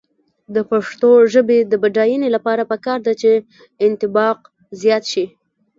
د پښتو ژبې د بډاینې لپاره پکار ده چې انطباق زیات شي.